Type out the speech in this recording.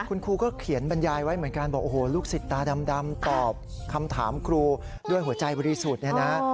คุณครูก็เขียนบรรยายไว้เหมือนกันบอกโอ้โหลูกศิษย์ตาดำตอบคำถามครูด้วยหัวใจบริสุทธิ์เนี่ยนะ